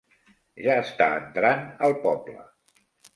Ja està entrant al poble.